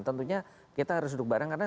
tentunya kita harus duduk bareng karena